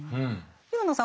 廣野さん